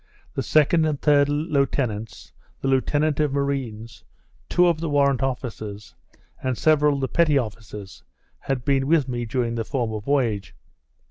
The second and third lieutenants, the lieutenant of marines, two of the warrant officers, and several of the petty officers, had been with me during the former voyage.